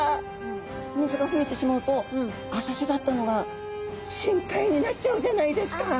水が増えてしまうと浅瀬だったのが深海になっちゃうじゃないですか。